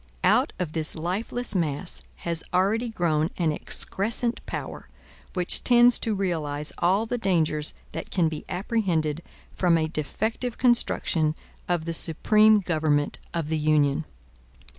Out of this lifeless mass has already grown an excrescent power, which tends to realize all the dangers that can be apprehended from a defective construction of the supreme government of the Union.